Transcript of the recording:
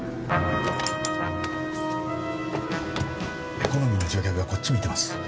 エコノミーの乗客がこっち見てます。